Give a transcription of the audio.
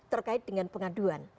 terkait dengan pengaduan